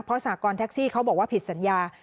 เพราะสากรณ์แท็กซี่เขาบอกว่าผิดสัญญา